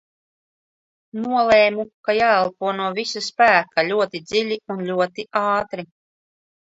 Nolēmu, ka jāelpo no visa spēka ļoti dziļi un ļoti ātri.